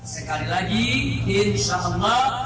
dan negara tercinta republik indonesia